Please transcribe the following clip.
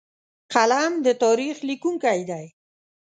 قلم د تاریخ لیکونکی دی